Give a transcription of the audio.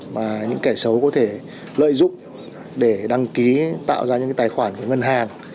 mà những kẻ xấu có thể lợi dụng để đăng ký tạo ra những tài khoản của ngân hàng